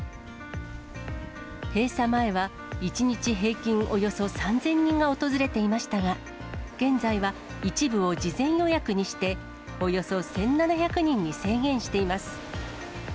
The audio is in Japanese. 閉鎖前は、１日平均およそ３０００人が訪れていましたが、現在は一部を事前予約にして、およそ１７００人に制限しています。